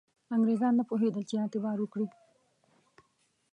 انګرېزان نه پوهېدل چې اعتبار وکړي.